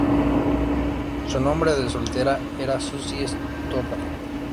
Su nombre de soltera era Susie Stoddart.